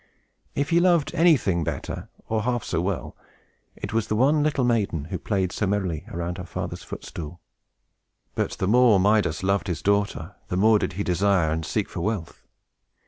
If he loved anything better, or half so well, it was the one little maiden who played so merrily around her father's footstool. But the more Midas loved his daughter, the more did he desire and seek for wealth.